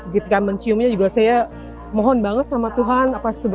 ketika menciumnya juga saya mohon banget sama tuhan